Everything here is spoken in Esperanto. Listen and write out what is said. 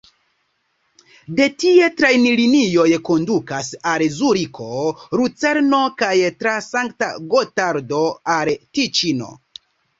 De tie trajnlinioj kondukas al Zuriko, Lucerno kaj tra Sankt-Gotardo al Tiĉino.